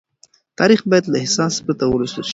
تاريخ بايد له احساس پرته ولوستل شي.